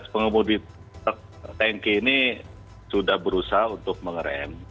pengemudi tengki ini sudah berusaha untuk mengeram